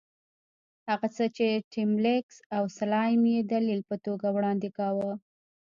هغه څه چې ټیلمکس او سلایم یې دلیل په توګه وړاندې کاوه.